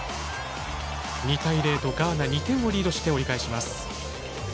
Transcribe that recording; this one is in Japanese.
２対０とガーナ２点をリードして、折り返します。